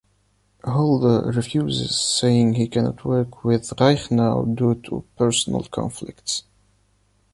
Halder refuses saying he cannot work with Reichenau due to personal conflicts.